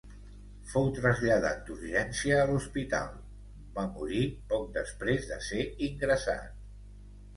Fou traslladat d'urgència a l'hospital, on va morir poc després de ser ingressat.